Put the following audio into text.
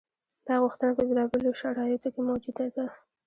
دا غوښتنه په بېلابېلو شرایطو کې موجوده ده.